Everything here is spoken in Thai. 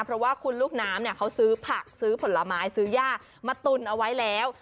เพราะว่าคุณลูกน้ำเนี่ยเขาซื้อผักซื้อผลไม้ซื้อย่ามาตุนเอาไว้แล้ว